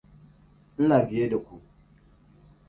Ina biye da ku.